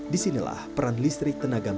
disinilah peran listrik tenaga